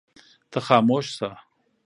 ته خاموش شه.